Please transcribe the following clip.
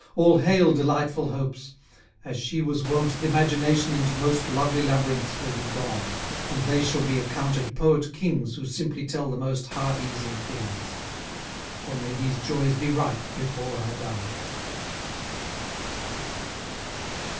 All hail delightful hopes! As she was wont, th' imagination Into most lovely labyrinths will be gone, And they shall be accounted poet kings Who simply tell the most heart easing things. O may these joys be ripe before I die.